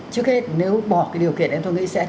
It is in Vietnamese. trước hết nếu bỏ cái điều kiện em tôi nghĩ sẽ